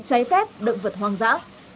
trái phép động vật hoang dã